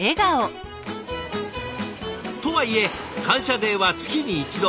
とはいえ「感謝デー」は月に一度。